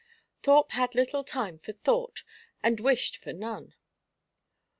Thorpe had little time for thought and wished for none.